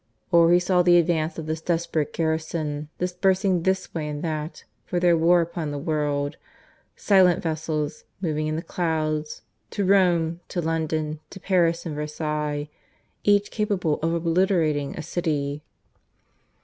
Or he saw the advance of this desperate garrison, dispersing this way and that for their war upon the world silent vessels, moving in the clouds, to Rome, to London, to Paris and Versailles, each capable of obliterating a city.